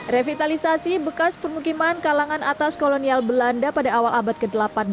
revitalisasi bekas permukiman kalangan atas kolonial belanda pada awal abad ke delapan belas